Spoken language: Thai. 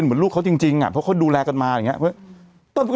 ที่ลูกเขาจริงอะเค้าดูแลกันมาอะไรนะเพราะว่า